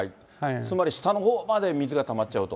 つまり下のほうまで水がたまっちゃうと。